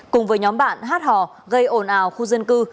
cùng với nhóm bạn hát hò gây ồn ào khu dân cư